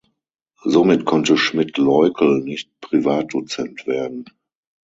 Somit konnte Schmidt-Leukel nicht Privatdozent werden.